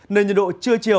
nên nhiệt độ chưa chiều